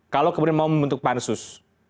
kalau kemudian mau membentuk pansus